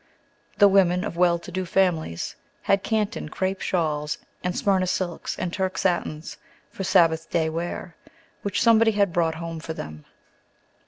The women of well to do families had Canton crape shawls and Smyrna silks and Turk satins, for Sabbath day wear, which somebody had brought home for them.